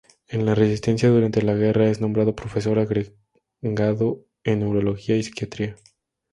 En la Resistencia durante la guerra, es nombrado profesor agregado en neurología y psiquiatría.